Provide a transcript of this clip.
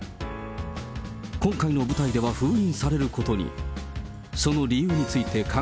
今回の舞台では封印されることに。